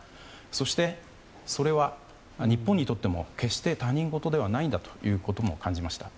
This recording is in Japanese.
そして、それは日本にとっても決して他人事ではないんだということも感じました。